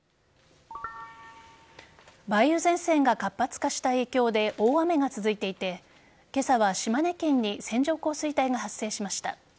梅雨前線が活発化した影響で大雨が続いていて今朝は島根県に線状降水帯が発生しました。